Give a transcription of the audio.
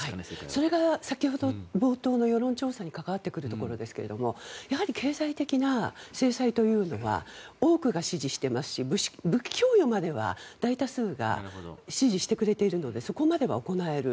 それが先ほどの冒頭の世論調査に関わってくるところですが経済的な制裁というのは多くが支持していますし武器供与までは大多数が支持してくれているのでそこまでは行える。